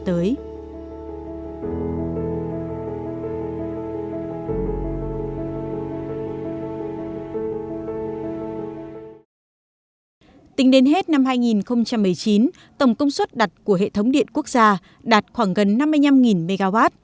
tính đến hết năm hai nghìn một mươi chín tổng công suất đặt của hệ thống điện quốc gia đạt khoảng gần năm mươi năm mw